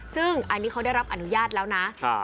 ซึ่งอันนี้เขาได้รับอนุญาตแล้วนะ